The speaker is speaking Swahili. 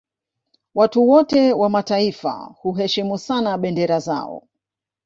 Watu wote wa mataifa huheshimu sana bendera zao